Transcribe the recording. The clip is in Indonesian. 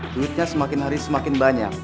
duitnya semakin hari semakin banyak